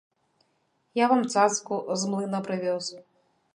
Я вам цацку з млына прывёз.